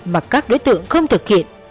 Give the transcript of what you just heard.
mà các đối tượng không thực hiện